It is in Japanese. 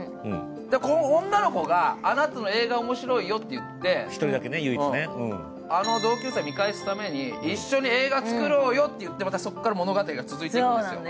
この女の子が、あなたの映画、面白いよって言ってあの同級生を見返すために一緒に映画作ろうよって言ってまたそこから物語が続いていくんですよ。